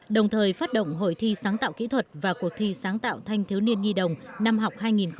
đồng thời phát động hội thi sáng tạo kỹ thuật và cuộc thi sáng tạo thanh thiếu niên nhi đồng năm học hai nghìn hai mươi hai nghìn hai mươi